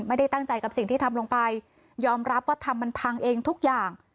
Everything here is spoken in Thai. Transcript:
ไม่ได้ตั้งใจกับสิ่งที่ทำลงไปยอมรับว่าทำมันพังเองทุกอย่าง